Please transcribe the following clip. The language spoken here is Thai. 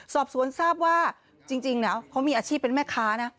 สอบสวนทราบว่าจริงนะเขามีอาชีพเป็นแม่ค้านะ